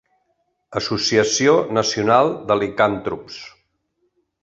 Associació nacional de licantrops.